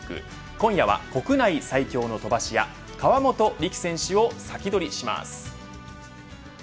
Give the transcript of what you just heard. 今夜は国内最強の飛ばし屋河本力選手をサキドリします。